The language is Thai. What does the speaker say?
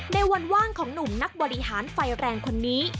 ในวันว่างของหนุ่มนักบริหารไฟแรงคนนี้